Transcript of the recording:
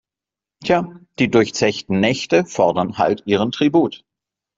Tja, die durchzechten Nächte fordern halt ihren Tribut.